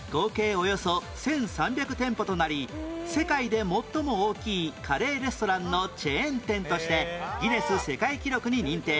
およそ１３００店舗となり世界で最も大きいカレーレストランのチェーン店としてギネス世界記録に認定